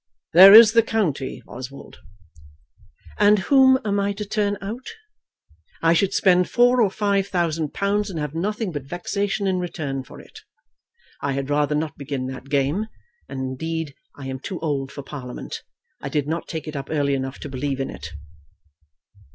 "There is the county, Oswald." "And whom am I to turn out? I should spend four or five thousand pounds, and have nothing but vexation in return for it. I had rather not begin that game, and indeed I am too old for Parliament. I did not take it up early enough to believe in it."